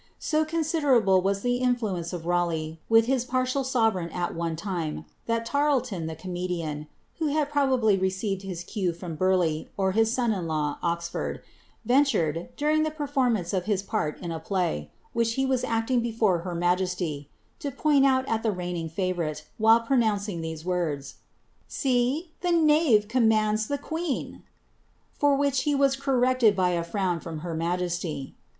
So considerable was the inflnence of Raleigh rtial sovereign at one time, that Tarleton, the comedian, who ly received his cue from Burleigh or his son in law, Oxford, uring the performance of his part in a play, which he was re her majesty, to point at the reigning fiivourite while pro hese words, ^See, the knave commands the queen P for nras corrected by a frown from her majesty.'